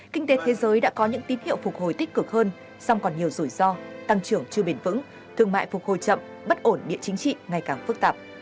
kinh tế thế giới đã có những tín hiệu phục hồi tích cực hơn song còn nhiều rủi ro tăng trưởng chưa bền vững thương mại phục hồi chậm bất ổn địa chính trị ngày càng phức tạp